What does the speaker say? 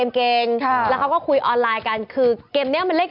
มึงทำอย่างงี้สิมันไม่ดีของเราเสีย